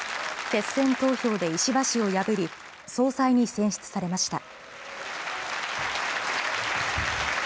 決選投票で石破氏を破り、総裁に選出されました。